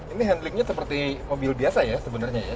ini handlingnya seperti mobil biasa ya sebenarnya ya